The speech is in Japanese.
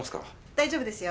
大丈夫ですよ。